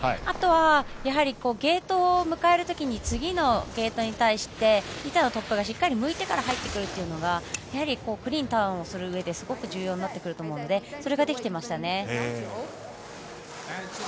あとはゲートを迎えるとき次のゲートに対して板のトップがしっかり向いてから入ってくるのがクリーンにターンをするうえですごく重要になってくるのでそれができていましたね。